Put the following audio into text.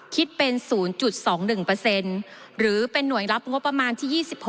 คิดเป็น๐๒๑หรือเป็นหน่วยรับงบประมาณที่๒๖